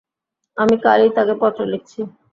আমি কালই তাঁকে পত্র লিখছি।